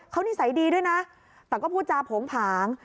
เขานิสัยดีด้วยนะแต่ก็พูดจาโผงผาง